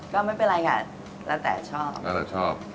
ก็ไม่เป็นไรค่ะแล้วแต่ชอบ